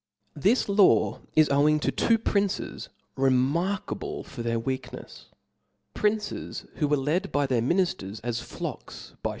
This law is owing 0) The to two princes ('), remarkable for their weaknefs ;^*^/p^Jy«// princes who were led by their minifters, as flocks hy ^^>.